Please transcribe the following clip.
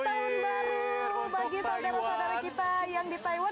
tahun baru bagi saudara saudara kita yang di taiwan